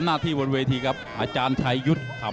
กระหน่าที่น้ำเงินก็มีเสียเอ็นจากอุบลนะครับเสียเอ็นจากอุบลนะครับ